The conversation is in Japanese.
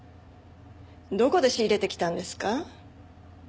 どこで仕入れてきたんですか？